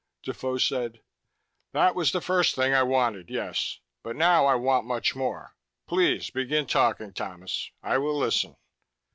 Defoe said, "That was the first thing I wanted, yes. But now I want much more. Please begin talking, Thomas. I will listen."